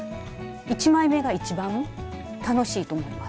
１枚目が一番楽しいと思います。